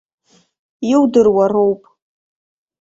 Иудыруа роуп.